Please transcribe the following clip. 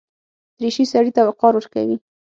دریشي سړي ته وقار ورکوي.